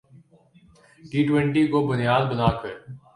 T twenty کو بنیاد بنا کر